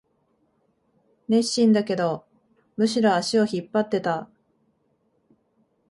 熱心だけど、むしろ足を引っ張ってた